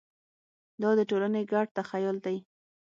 دا د ټولنې ګډ تخیل دی.